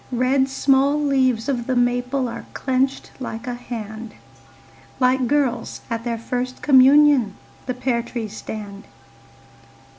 Red small leaves of the maple Are clenched like a hand, Like girls at their first communion The pear trees stand.